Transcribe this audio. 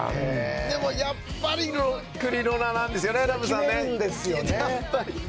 でもやっぱりクリロナなんですよね。